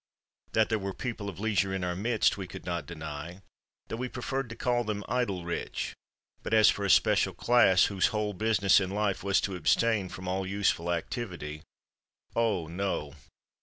That there were people of leisure in our midst, we could not deny, though we preferred to call them idle rich, but as for a special class whose whole business in life was to abstain from all useful activity—oh, no!